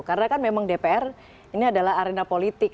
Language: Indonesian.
karena kan memang dpr ini adalah arena politik